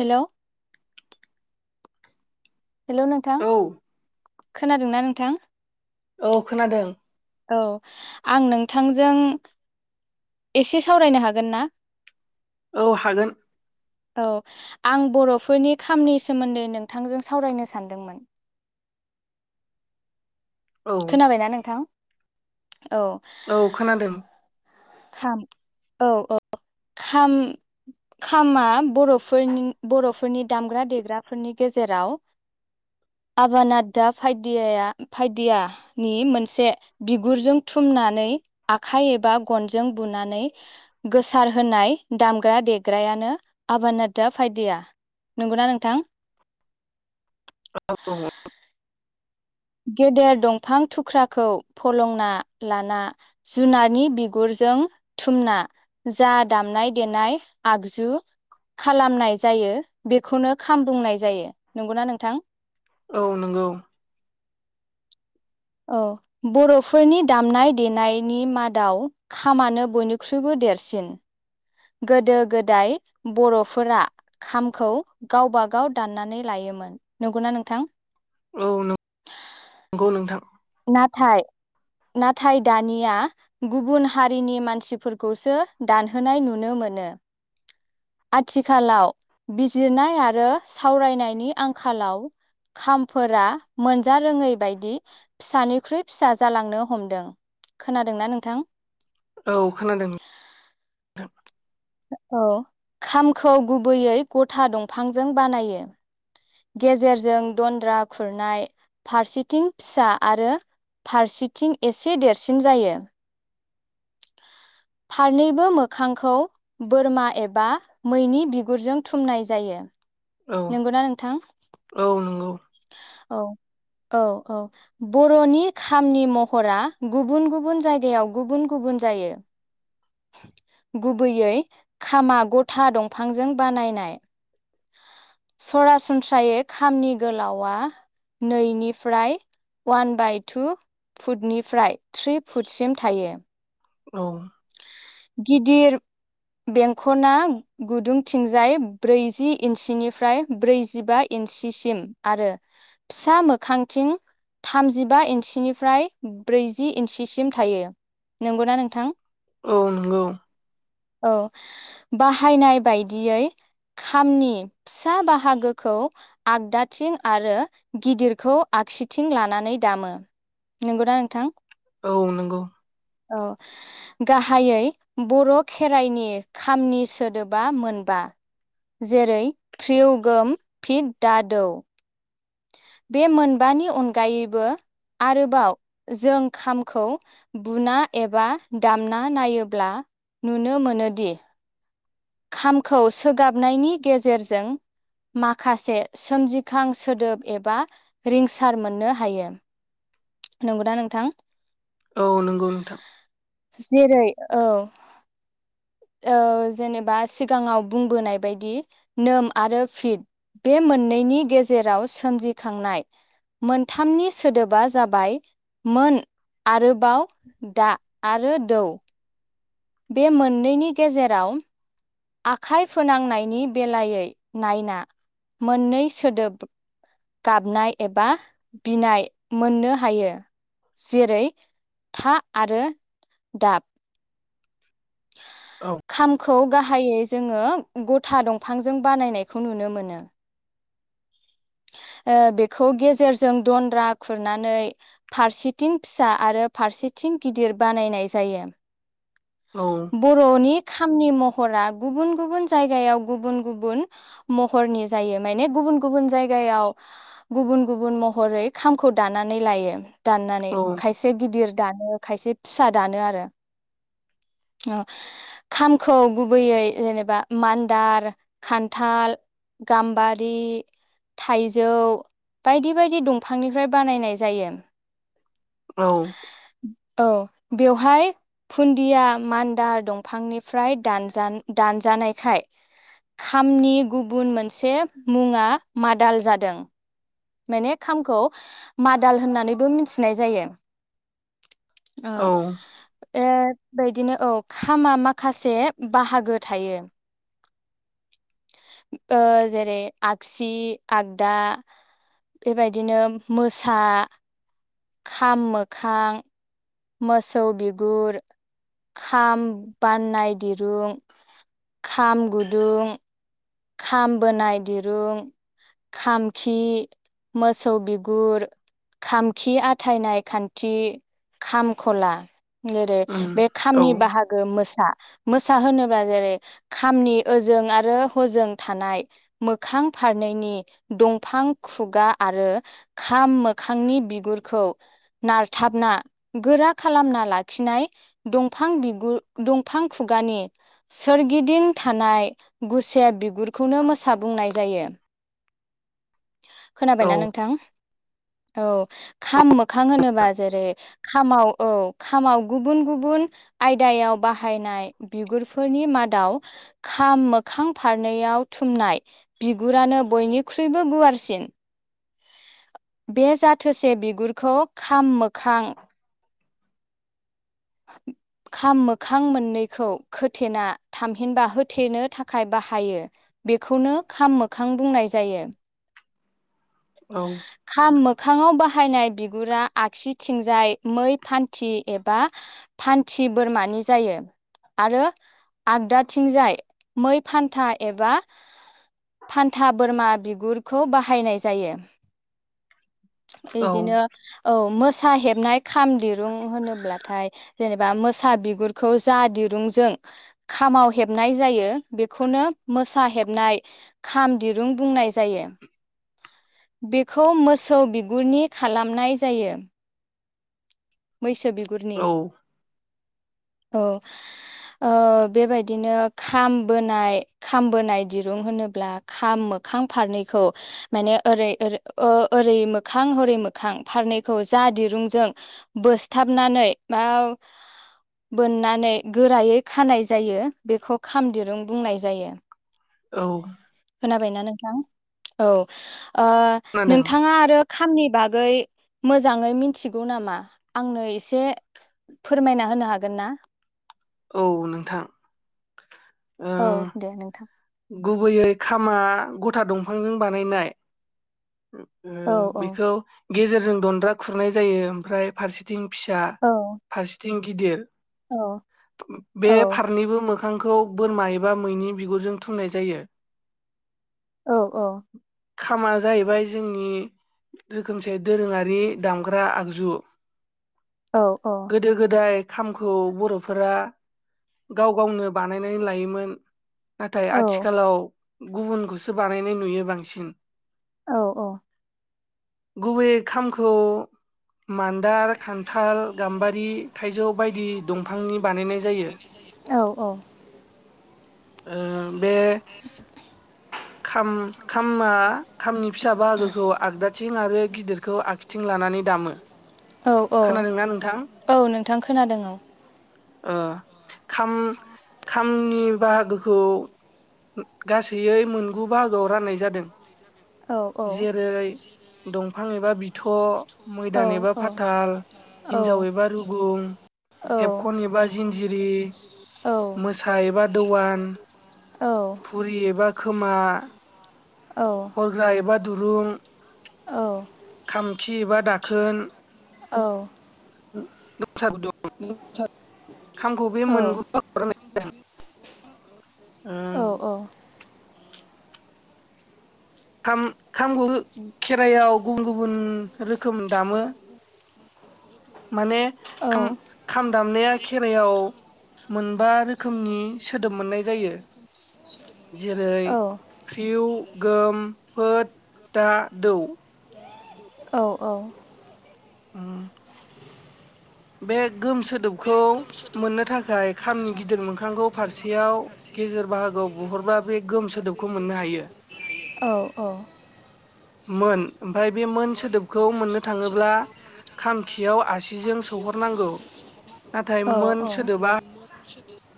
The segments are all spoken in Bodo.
हेल' हेल' नोंथां औ खोनादोंना नोंथां? औ खोनादों। औ आं नोंथांजों एसे सावरायनो हागोन ना? औ हागोन। औ आं बर'फोरनि खामनि सोमोन्दै नोंथांजों सावरायनो सानदोंमोन। [inaudible] औ खोनाबायना नोंथां। औ औ खोनादों। खाम औ औ खाम। खामा बर'फोरनि बर'फोरनि दामग्रा देग्राफोरनि गेजेराव [inaudible] आबाना दा फायदिया फायदियानि मोनसे बिगुरजों थुमनानै आखाय एबा गनजों बुनानै गोसार होनाय दामग्रा देग्रायानो आबा नादा फाय दिया नंगौना नोंथां। [inaudible] गेदेर दंफां थुख्राखौ फलंना लाना जुनारनि बिगुरजों थुमना जा दामनाय देनाय आगजु खालामनाय जायो बेखौनो खाम बुंनाय जायो नंगौना नोंथां। औ नंगौ औ बर'फोरनि दामनाय देनायनि मादाव खामानो बयनिख्रुइबो देरसिन। गोदो गोदाय बर'फोरा खामखौ गावबागाव दाननानै लायो मोन नंगौना नोंथां? औ नंगौ नोंथां। नाथाय नाथाय दानिया गुबुन हारिनि मानसिफोरखौसो दानहोनाय नुनो मोनो। [inaudible] आथिखालाव बिजिरनाय आरो सावरायनायनि आंखालाव खामफोरा मोनजा रोङै बायदि फिसानिख्रुइ फिसा जालांनो हमदों खोनादोंना नोंथां? औ खोनादों थां औ खामखौ गुबैयै गथा दंफांजों बानायो। गेजेरजों दन्द्रा खुरनाय फारसेथिं फिसा आरो फारसेथिं एसे देरसिन जायो। [inaudible] फारनैबो मोखांखौ बोरमा एबा मैनि बिगुरजों थुमनाय जायो। औ नंगौना नोंथां औ नंगौ औ औ औ बर'नि खामनि महरा गुबुन गुबुन जायगायाव गुबुन गुबुन जायो गुबैयै खामा गथा दंफांजों बानायनाय [inaudible] सरासनस्रायै खामनि गोलावआ नैनिफ्राय अवान बाय टु फुटनिफ्राय थ्रि फुटसिम थायो औ गिदिर बेंकना गुदुंथिंजाय ब्रैजि इन्सिनिफ्राय ब्रैजिबा इ नसिसिम आरो फिसा मोखांथिं थामजिबा इन्सिनिफ्राय ब्रैजि इन्सिसिम थायो नंगौना नोंथां औ नंगौ औ बाहायनाय बायदियै खामनि फिसा बाहागोखौ आगदाथिं आरो गिदिरखौ आ आगसिथिं लानानै दामो नंगौना नोंथां औ नंगौ औ गाहायै बर' खेराइनि खामनि सोदोबा मोनबा जेरै प्रिउगम पि दादौ बे मोनबानि अनगायैबो आरोबाव जों खामखौ बुना एबा दामना नायोब्ला नुनो मोनोदि खामखौ सोगाबनायनि गेजेरजों माखासे सोमजिखां सोदोब एबा रिंसार मोननो हायो नंगौना नोंथां औ नंगौ नोंथां जेरै औ औ जेनेबा सिगाङाव बुंबोनाय बायदि नोम आरो फिद बे मोननैनि गेजेराव सोमजिखांनाय मोनथामनि सोदोबा जाबाय मोन आरोबाव दा आरो दौ बे मोननैनि गेजेराव आखाइ फोनांनायनि बेलायै नायना मोननै सोदोब गाबनाय एबा बिनाय मोननो हायो जेरै था आरो दाब औ खामखौ गाहायै जोङो गथा दंफांजों बानायनायखौ नुनो मोनो [unintelligible] ओ बेखौ गेजेरजों दन्द्रा खुरनानै फारसेथिं फिसा आरो फारसे थिं गिदिर बानायनाय जायो औ बर'नि खामनि म हर आ गुबन गुबुन जाय गुबुन गुबुन महनि जायो माने गुबुन गुबुन जायगा गुबुन गुबुन महरै खामखौ दानानै लायो दाननानै औ खायसे गिदिर दानो खायसे फिसा दानो आरो अ खामखौ गुबैयै जेनेबा मान्दार खान्थाल गाम्बारि थाइजौ बायदि बायदि दंफांनिफ्राय बानायनाय जायो औ औ बेवहाय फुन्दिया मान्दा दंफांनिफ्राय द दानजानायखाय खामनि गुबुन मोनसे मुङा मादाल जादों माने खामखौ मादाल होननानैबो मिथिनाय जायो अ औ एबायदिनो औ खामा माखासे बाहागो थायो जेरै आगसि आगदा बेबायदिनो मोसा खाम मोखां मोसौ बिगुर खाम बाननाय दिरुं खाम गुदुं खाम बोनाय दिरुं खामखि मोसौ बिगुर खामखि आथायनाय खान्थि खामखला जेरै उम बे औ खामनि बाहागो मोसा मो फिसा होनोब्ला जेरै खामनि ओजों आरो हजों थानाय मोखां फारनैनि दंफां खुगा आरो खाम मोखांनि बिगुरखौ नारथाबना गोरा खालामना लाखिनाय दंफां खुगानि सोरगिदिं थानाय गु बिगुरखौनो मोसा बुंनाय जायो खोनाबायना नोंथां औ खाम मोखां होनोबा जेरै खामाव औ खामाव गुबुन गुबुन आयदायाव बाहायनाय बिगुरफोरनि मादाव खाम मोखां फारनैयाव थुमनाय बिगुरानो बयनिख्रुइबो गुवारसिन बे जाथोसे बिगुरखौ खाम मोखां [unintelligible] खाम मोखां मोननैखौ खोथेना थामहिनबा होथेनो थाखाय बाहायो बेखौनो खाम मोखां बुंनाय जायो औ खामो मोखाङाव बाहायनाय बिगुरा आगसिथिंजाय मै फान्थि एबा फान्थि बोरमानि जायो आरो आगदाथिंजाय मै फान्था एबा फान्था बोरमा बिगुरखौ बाहायनाय जायो बिदिनो औ मो मोसा हेबनाय खाम दिरुं होनोब्लाथाय जेनेबा मोसा बिगुरखौ जा दिरुंजों खामाव हेबनाय जायो बेखौनो मोसा हेबनाय खाम दिरुं बुंनाय जायो बेखौ मोसौ बिगुरनि खालामनाय जायो मैसो बिगुरनि औ औ बेबायदिनो खामबोनाय खामबोनाय दिरुं होनोब्ला खामो मोखां फारनिखौ ओरि ओ मोखां हरी मोखां दिरुंजों बोथाबनानै म बोननानै गोरायै खानाय जायो बेखौ खाम दिरुं बुंनाय जायो औ खोनाबायना नोंथां औ खोनादों नोंथाङा आरो खामनि बागै मोजाङै मिथिगौ नामा आंनो एसे फोरमायना होनो हागोन ना औ नोंथां ओ औ दे नोंथां गुबैयै खामा गथा दंफांजों बानायनाय औ औ बेखौ गेजेरजों दनन्द्रा खुरनाय जायो ओमफ्राय फारसेथिं फिसा औ फारसेथिं गिदिर औ बे फारनैबो मो खांखौ बोरमा एबा मैनि बिगुरजों थुननाय जायो औ औ खामा जाहैबाय जोंनि रोखोमसे दोरोङारि दामग्रा आगजु औ गोदो गोदाय खामखौ बर'फोरा गाव गावनो बानायनानै लायोमोन नाथाय औ आथिखालाव गुबुनखौसो बानायनाय नुयो बांसिन औ औ गुबैयै खामखौ मान्दार खान्थाल गाम्बारि थाइजौ बायदि दंफांनि बानायनाय जायो औ ओ बे खाम खामा खामनि फिसा बाहागोखौ आगदाथिं आरो गिदिरखौ आगखिथिं ला नानै दामो औ औ खोनादोंना नोंथां? औ नोंथां खोनादों औ ओह खाम खामनि बाहागोखौ गासैैयै मोनगु बाहागोआव राननाय जादों औ जेरै दंफां एबा बिथ' औ मैदान एबा औ फाथाल औ हिन्जाव एबा रुगुं औ हेबखन एबा जिनजिरि मोसा एबा दवान औ फुरि एबा खोमा औ हरग्रा एबा दुरुं औ औ खामखि एबा दाखोन औ खामखौ बे मोनगु बाहागोआव रान्नाय जादों ओम खाम खामगु खेराइयाव गुबुन गुबुन रोखोम दामो माने खाम खाम दामनाया खेराइयाव मोन बा रोखोमनि सोदोब मोननाय जायो जेरै प्रिउ गोम फो दा दौ औ औ ओम बे गोम सोदोबखौ मोननो थाखाय खामनि गिदिर मोखांगौ फारसेयाव गेजेर बाहागो आव बुहरबा बे गोम सोदोबखौ मोननो हायो मोन ओमफ्राय बे मोन सोदोबखौ मोननो थाङोब्ला खामखियाव आसिजों नांगौ नाथाय मोन सोदोबा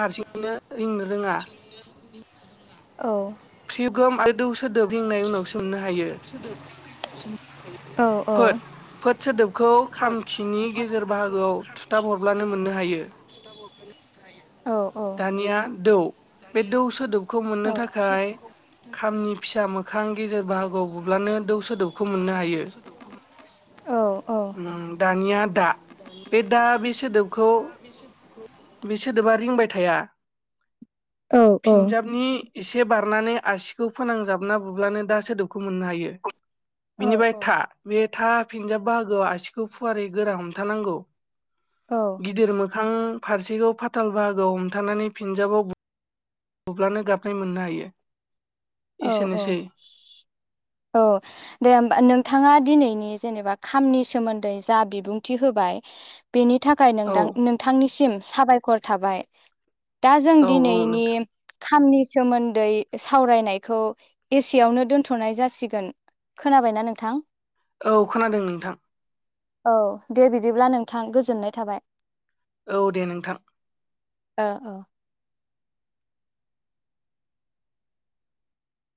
हारसिङैनो रिंनो रोङा औ प्रिउगोम आरो दौसो दोबलिंनाय उनाव सोमनो हायो औ फोद औ फोद सोदोबखौ खामखिनि गेजेर बाहागोआव थुथाब हरब्लानो मोननो हायो औ औ दानिया दौ बे दौ सोदोबखौ मोननो थाखाय खामनि फिसा मो खां गेजेर बाहागोआव बुब्लानो दौ सोदोबखौ मोननो हायो औ ओम दानिया दा बे दा बे सोदोबखौ बे सोदोबा रिंबाय थाया औ औ औ फिनजाबनि एसे बारनानै आसिखौ फोनांजाबना बुब्लानो दा सोदोबखौ मोननो हायो औ बिनिफ्राय औ था बे था फिन्जाब बाहागोआव आसिखौ फुवारै गोरा हमथानांगौ औ गिदिर मोखां फारसेखौ फाथाल बाहागोआव हमथानानै फिनजाबाव ब अब्लानो गाबनाय मोननो हायो औ औ एसेनोसै औ दे होमबा नोंथाङा दिनैनि जेनेबा खामनि सोमोन्दै जा बिबुंथि होबाय बेनि थाखाय औ नोंथां नोंथांनिसिम साबायखर थाबाय दा जों औ औ दिनैनि नोंथां खामनि सोमोन्दै सावरायनाय खौ एसेयावनो दोन्थ'नाय जासिगोन खोनाबायनाा नोंथां औ खोनादों नोंथां औ दे बिदिब्ला नोंथां गोजोननाय थाबाय औ दे नोंथां ओ